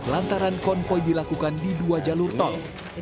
lantaran konvoy dilakukan di dua jalur tol